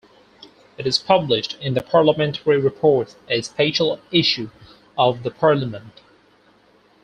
It is published in the "Parliamentary Reports", a special issue of the Parliament.